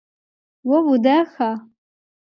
Vo vudaxa?